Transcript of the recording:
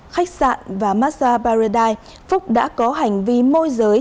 khách sạn và massa paradise phúc đã có hành vi môi giới